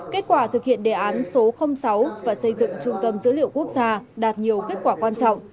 kết quả thực hiện đề án số sáu và xây dựng trung tâm dữ liệu quốc gia đạt nhiều kết quả quan trọng